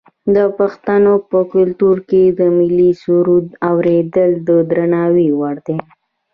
د پښتنو په کلتور کې د ملي سرود اوریدل د درناوي وړ دي.